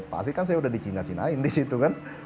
pasti saya sudah di china cinain di situ kan